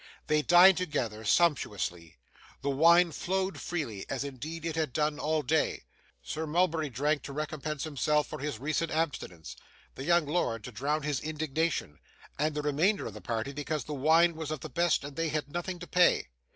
They dined together, sumptuously. The wine flowed freely, as indeed it had done all day. Sir Mulberry drank to recompense himself for his recent abstinence; the young lord, to drown his indignation; and the remainder of the party, because the wine was of the best and they had nothing to pay.